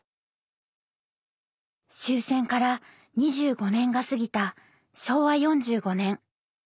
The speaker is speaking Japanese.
終戦から２５年が過ぎた昭和４５年。